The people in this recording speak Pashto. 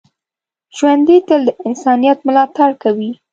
ژوندي تل د انسانیت ملاتړ کوي